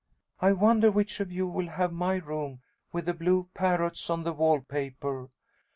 "I wonder which of you will have my room with the blue parrots on the wall paper.